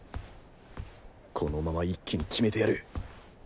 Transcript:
このまま一気に決めてやる